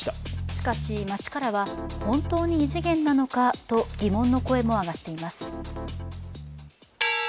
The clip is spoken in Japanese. しかし、街からは本当に異次元なのかと疑問の声も上がっています。